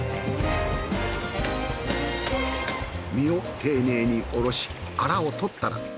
身を丁寧におろしアラを取ったら。